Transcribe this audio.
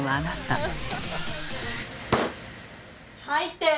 最低！